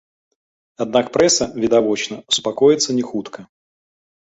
Аднак прэса, відавочна, супакоіцца не хутка.